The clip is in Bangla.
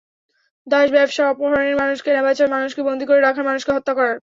দাস ব্যবসার, অপহরণের, মানুষ কেনাবেচার, মানুষকে বন্দী করে রাখার, মানুষকে হত্যা করার।